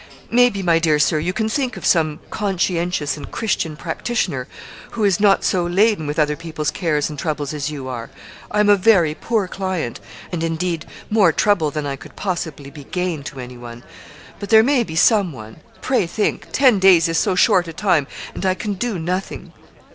Maybe, my dear Sir, you can think of some conscientious and Christian practitioner who is not so laden with other people's cares and troubles as you are. I am a very poor client, and indeed more trouble than I could possibly be gain to anyone. But there may be some one; pray think; ten days is so short a time, and I can do nothing.'